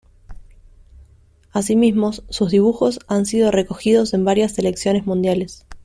Asimismo, sus dibujos han sido recogidos en varias Selecciones Mundiales.